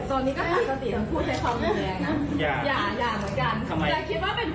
ตอนนี้ก็ค่อนข้างปกติมันพูดใช้คำอย่างแรงนะ